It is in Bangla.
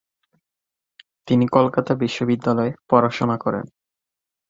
তিনি কলকাতা বিশ্ববিদ্যালয়ে পড়াশোনা করেন।